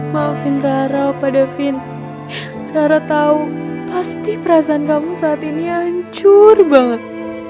maafin rara pada fin rara tahu pasti perasaan kamu saat ini hancur banget